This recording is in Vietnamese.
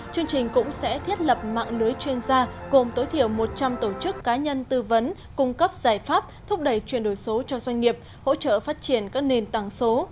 chương trình cũng sẽ thiết lập mạng lưới chuyên gia gồm tối thiểu một trăm linh tổ chức cá nhân tư vấn cung cấp giải pháp thúc đẩy chuyển đổi số cho doanh nghiệp hỗ trợ phát triển các nền tảng số